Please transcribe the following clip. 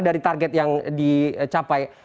dari target yang dicapai